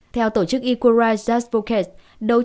theo tổ chức equal rights just focus